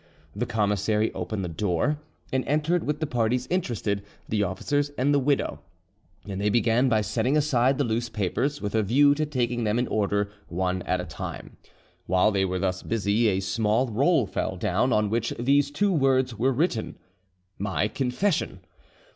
The commissary opened the door, and entered with the parties interested, the officers, and the widow, and they began by setting aside the loose papers, with a view to taking them in order, one at a time. While they were thus busy, a small roll fell down, on which these two words were written: "My Confession."